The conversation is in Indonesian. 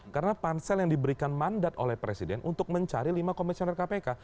karena pansel yang diberikan mandat oleh presiden untuk mencari lima komisioner kpk